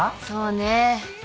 そうね。